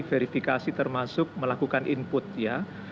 verifikasi termasuk melakukan input ya